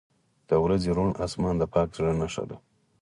• د ورځې روڼ آسمان د پاک زړه نښه ده.